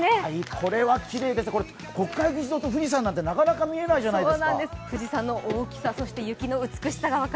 これはきれいです、国会議事堂と富士山なんてなかなか見れないじゃないですか。